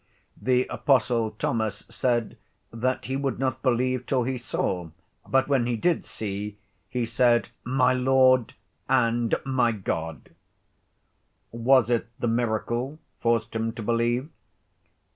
The Apostle Thomas said that he would not believe till he saw, but when he did see he said, "My Lord and my God!" Was it the miracle forced him to believe?